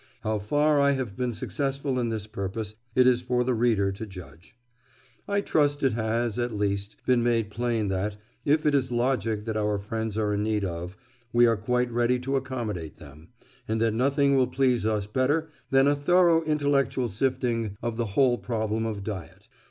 How far I have been successful in this purpose it is for the reader to judge; I trust it has, at least, been made plain that, if it is logic that our friends are in need of, we are quite ready to accommodate them, and that nothing will please us better than a thorough intellectual sifting of the whole problem of diet.